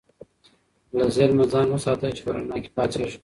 له ظلمه ځان وساته چې په رڼا کې پاڅېږې.